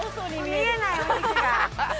見えないお肉が。